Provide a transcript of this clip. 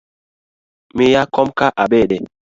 Miya kom ka abede